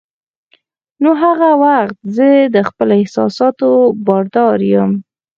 نو هغه وخت زه د خپلو احساساتو بادار یم.